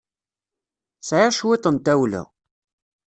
Sɛiɣ cwiṭ n tawla.